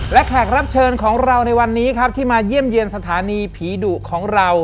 และแขกรับเชิญของเราในวันนี้ครับที่มาเยี่ยมเยี่ยมสถานีผีดุของเรา